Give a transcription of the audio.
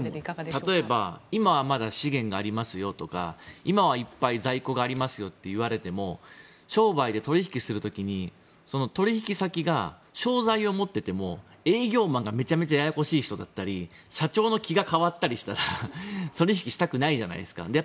例えば、今はまだ資源がありますよとか今はまだいっぱい在庫がありますよと言われても商売で取引する時に取引先が商材を持ってても営業マンがめちゃめちゃややこしい人だったり社長の気が変わったりしたら取引したくないじゃないですか。